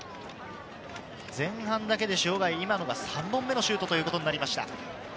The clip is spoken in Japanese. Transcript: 前半だけで塩貝、今のが３本目のシュートということになりました。